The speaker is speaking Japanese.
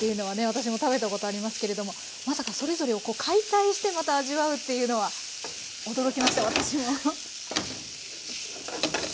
私も食べたことありますけれどもまさかそれぞれをこう解体してまた味わうっていうのは驚きました私も。